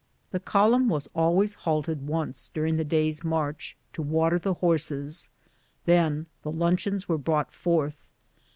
The column was always halted once during the day's march to water the horses, then the luncheons were brought forth.